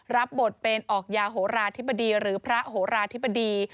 รับบทเป็นออกยาโหราธิบดีหรือพระโหราธิบดี